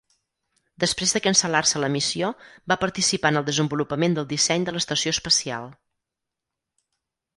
Després de cancel·lar-se la missió, va participar en el desenvolupament del disseny de l'Estació espacial.